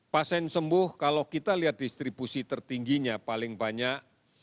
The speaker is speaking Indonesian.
pasien sembuh kalau kita lihat distribusi tertingginya paling banyak